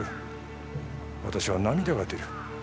私は涙が出る。